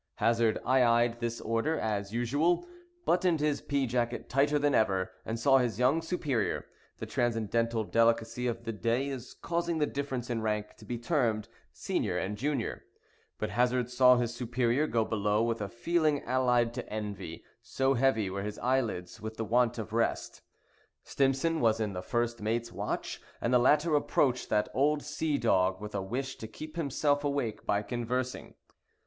Hazard "ay ay'd" this order, as usual, buttoned his pea jacket tighter than ever, and saw his young superior—the transcendental delicacy of the day is causing the difference in rank to be termed "senior and junior"—but Hazard saw his superior go below with a feeling allied to envy, so heavy were his eyelids with the want of rest. Stimson was in the first mate's watch, and the latter approached that old sea dog with a wish to keep himself awake by conversing.